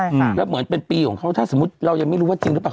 อืมแล้วเหมือนเป็นปีของเขาถ้าสมมุติเรายังไม่รู้ว่าจริงหรือเปล่า